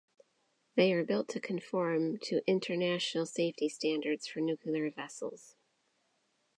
They are built to conform to international safety standards for nuclear vessels.